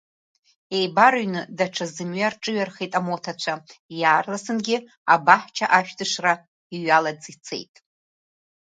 Еибарыҩны даҽа зымҩа рҿыҩархеит амоҭацәа, иаарласынгьы абаҳча ашәҭышра иҩалаӡ ицеит.